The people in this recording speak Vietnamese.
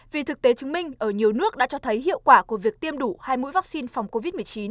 vì thực tế chứng minh ở nhiều nước đã cho thấy hiệu quả của việc tiêm đủ hai mũi vaccine phòng covid một mươi chín